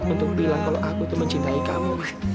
untuk bilang kalau aku tuh mencintai kamu